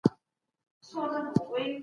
مشران به ګډي ناستي جوړوي.